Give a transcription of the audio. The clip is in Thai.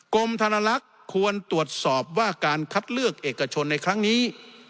กรมธนลักษณ์ควรตรวจสอบว่าการคัดเลือกเอกชนในครั้งนี้